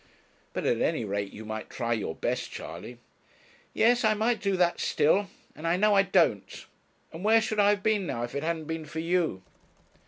'But at any rate you might try your best, Charley.' 'Yes, I might do that still; and I know I don't; and where should I have been now, if it hadn't been for you?'